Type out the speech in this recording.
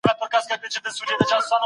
په جنت کي به سره يو ځای وي.